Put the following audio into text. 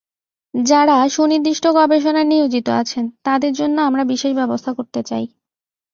যাঁরা সুনির্দিষ্ট গবেষণায় নিয়োজিত আছেন, তাঁদের জন্য আমরা বিশেষ ব্যবস্থা করতে চাই।